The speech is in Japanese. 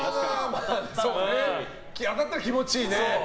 当たったら気持ちいいね。